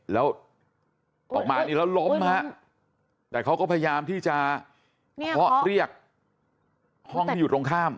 แล้วออกมานี่แล้วล้มฮะแต่เขาก็พยายามที่จะเคาะเรียกห้องที่อยู่ตรงข้าม